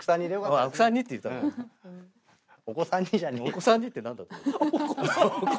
「お子さん似」って何だと思って。